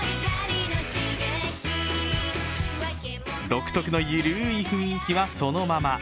独特のゆるい雰囲気はそのまま。